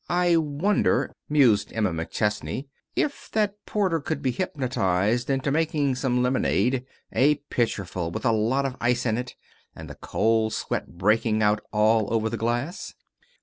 "I wonder," mused Emma McChesney, "if that porter could be hypnotized into making some lemonade a pitcherful, with a lot of ice in it, and the cold sweat breaking out all over the glass?